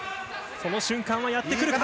その瞬間はやってくるか？